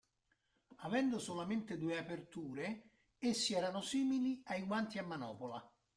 Avendo solamente due aperture, essi erano simili ai guanti a manopola.